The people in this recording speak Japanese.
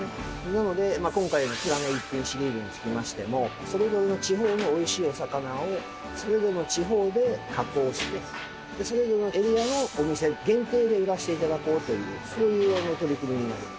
なので今回の「くらの逸品シリーズ」につきましてもそれぞれの地方の美味しいお魚をそれぞれの地方で加工してそれぞれのエリアのお店限定で売らせて頂こうというそういう取り組みになります。